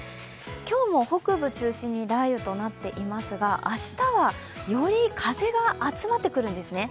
今日も北部中心に雷雨となっていますが明日は、より風が集まってくるんですね。